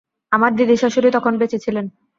আমার দিদিশাশুড়ি তখন বেঁচে ছিলেন।